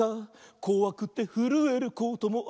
「こわくてふるえることもある」